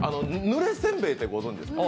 ぬれせんべいってご存じですか？